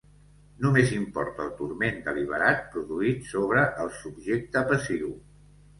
Només importa el turment deliberat produït sobre el subjecte passiu.